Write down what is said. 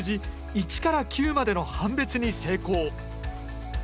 １から９までの判別に成功。